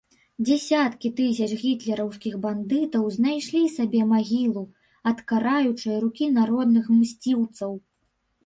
Дзесяткі тысяч гітлераўскіх бандытаў знайшлі сабе магілу ад караючай рукі народных мсціўцаў.